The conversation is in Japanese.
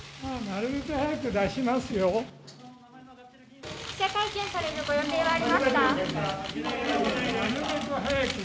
なるべく早く出しますので。